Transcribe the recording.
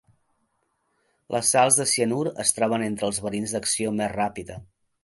Les sals de cianur es troben entre els verins d'acció més ràpida.